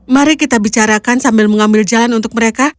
mari kita bicarakan sambil mengambil jalan untuk mereka